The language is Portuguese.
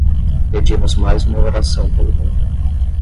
Pedimos mais uma oração pelo mundo